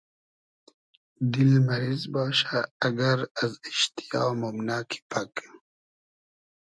دیل مئریز باشۂ ائگئر از ایشتیا مومنۂ کی پئگ